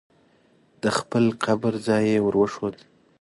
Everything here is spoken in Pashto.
د خپل قبر ځای یې ور وښود.